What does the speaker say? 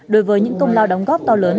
đối với những công lao đóng góp to lớn